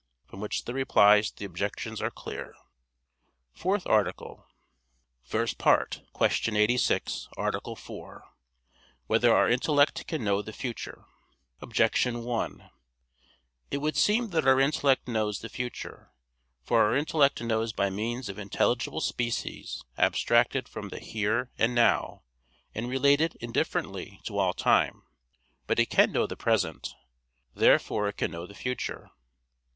From which the replies to the objections are clear. _______________________ FOURTH ARTICLE [I, Q. 86, Art. 4] Whether Our Intellect Can Know the Future? Objection 1: It would seem that our intellect knows the future. For our intellect knows by means of intelligible species abstracted from the "here" and "now," and related indifferently to all time. But it can know the present. Therefore it can know the future.